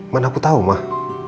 mana aku tau mah